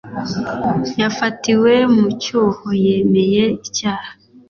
yafatiwe mu cyuho yemeye icyaha